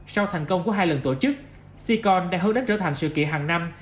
sau thành công của hai lần tổ chức sicor đã hướng đến trở thành sự kỷ hàng năm